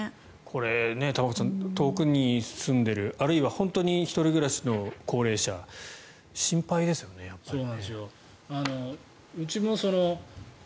これ、玉川さん遠くに住んでいるあるいは本当に１人暮らしの高齢者心配ですよね、やっぱり。